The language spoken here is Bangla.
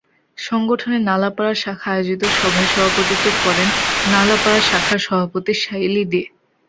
সংগঠনের নালাপাড়া শাখা আয়োজিত সভায় সভাপতিত্ব করেন নালাপাড়া শাখার সভাপতি শেলী দে।